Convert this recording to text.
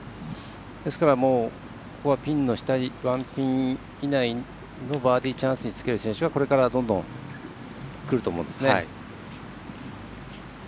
ですから、ここはピンの下１ピン以内のバーディーチャンスにつける選手は、これからどんどんくると思うんですね。